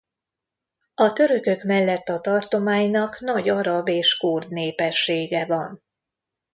A törökök mellett a tartománynak nagy arab és kurd népessége van.